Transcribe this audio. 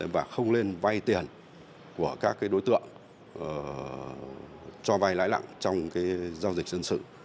và không lên vay tiền của các đối tượng cho vay lãi nặng trong giao dịch dân sự